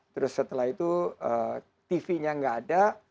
terus setelah itu tv nya nggak ada